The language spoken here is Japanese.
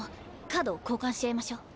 カード交換し合いましょ。